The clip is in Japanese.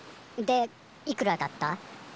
でいくらだった？